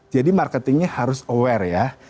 jadi marketingnya harus aware ya